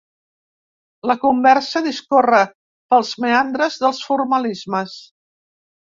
La conversa discorre pels meandres dels formalismes.